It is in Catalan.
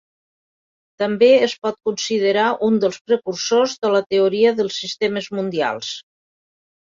També es pot considerar un dels precursors de la teoria dels sistemes mundials.